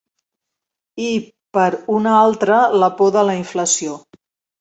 I, per una altra, la por de la inflació.